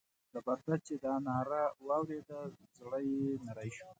زبردست چې دا ناره واورېده زړه یې نری شو.